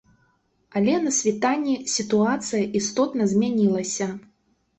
Але на світанні сітуацыя істотна змянілася.